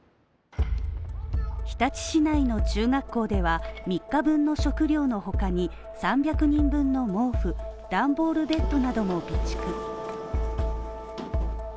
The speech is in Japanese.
日立市内の中学校では３日分の食料のほかに３００人分の毛布段ボールベッドなども備蓄。